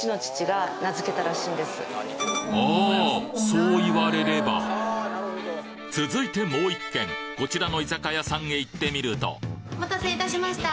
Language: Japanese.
そう言われれば続いてもう１軒こちらの居酒屋さんへ行ってみるとお待たせいたしました。